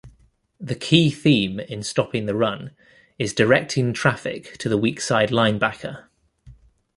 The key theme in stopping the run is directing traffic to the weak-side linebacker.